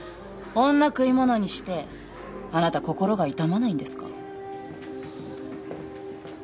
女食い物にしてあなた心が痛まないんですか？